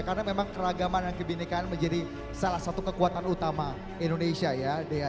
karena memang keragaman dan kebindikan menjadi salah satu kekuatan utama indonesia ya dea